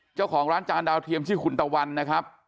เจ้าของร้านจานดาวเทียมชื่อคุณตะวันนะครับ